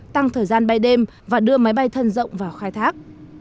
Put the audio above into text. tăng thời gian bay đêm và đưa máy bay thân rộng vào khai thác